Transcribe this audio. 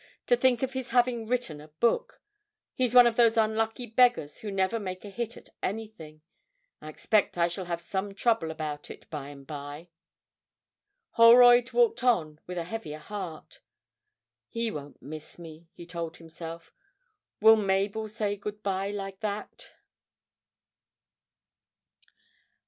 to think of his having written a book he's one of those unlucky beggars who never make a hit at anything. I expect I shall have some trouble about it by and by.' Holroyd walked on with a heavier heart. 'He won't miss me,' he told himself. 'Will Mabel say good bye like that?'